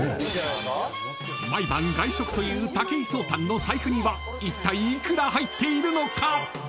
［毎晩外食という武井壮さんの財布にはいったい幾ら入っているのか？］